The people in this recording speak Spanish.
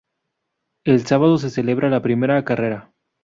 El sábado se celebra la primera carrera.